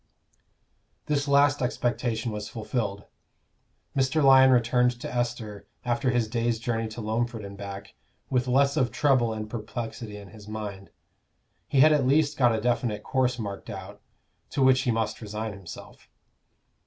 This last expectation was fulfilled. Mr. Lyon returned to Esther, after his day's journey to Loamford and back, with less of trouble and perplexity in his mind: he had at least got a definite course marked out, to which he must resign himself.